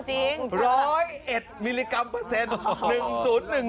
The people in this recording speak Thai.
เอาจริง